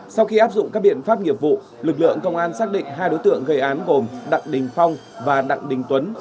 sau khi áp dụng các biện pháp nghiệp vụ lực lượng công an xác định hai đối tượng gây án gồm đặng đình phong và đặng đình tuấn